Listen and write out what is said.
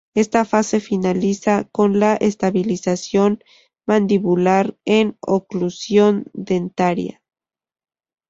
Esta fase finaliza con la estabilización mandibular en oclusión dentaria.